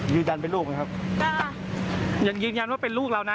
ยืนยันเป็นลูกนะครับยังยืนยันว่าเป็นลูกเรานะ